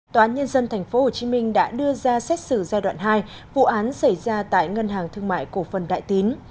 tòa án nhân dân tp hcm đã đưa ra xét xử giai đoạn hai vụ án xảy ra tại ngân hàng thương mại cổ phần đại tín